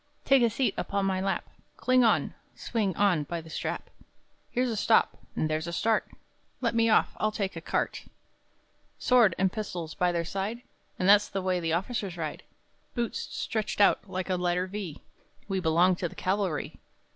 Take a seat upon my lap, Cling on, swing on by the strap; Here a stop, and there a start Let me off, I'll take a cart! [Boisterously] Sword and pistols by their side, And that's the way the officers ride! Boots stretched out like a letter V, we belong to the cavalry!